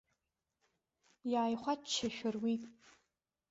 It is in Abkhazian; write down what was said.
Иааихәаччашәа руит.